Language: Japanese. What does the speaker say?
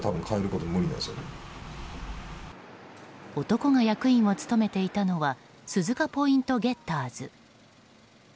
男が役員を務めていたのは鈴鹿ポイントゲッターズ。